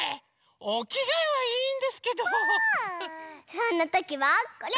そんなときはこれ！